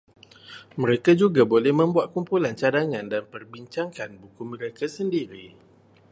Mereka juga boleh membuat kumpulan cadangan dan perbincangan buku mereka sendiri